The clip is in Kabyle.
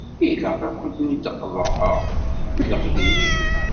Ilaq ad ken-id-qeḍɛeɣ deg leqdic.